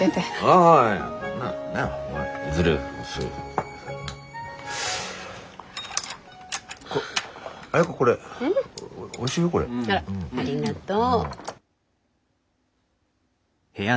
あらありがとう。